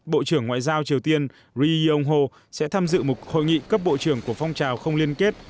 bộ trưởng ngoại giao triều tiên riy yong ho sẽ tham dự một hội nghị cấp bộ trưởng của phong trào không liên kết